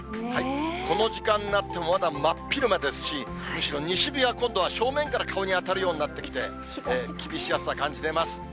この時間になっても、まだ真っ昼間ですし、むしろ西日が今度は正面から顔に当たるようになってきて、厳しい暑さ、感じてます。